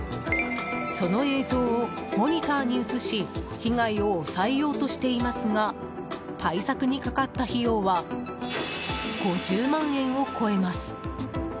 その映像をモニターに映し被害を抑えようとしていますが対策にかかった費用は５０万円を超えます。